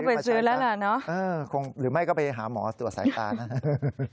คงต้องไปซื้อแล้วแหละเนอะคงหรือไม่ก็ไปหาหมอตรวจสายตานะ